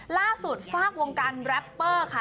ล่าสุดฝากวงการแรปเปอร์ค่ะ